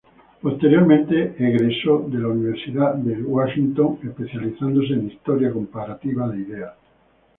Posteriormente, egresó de la Universidad de Washington especializándose en Historia Comparativa de Ideas.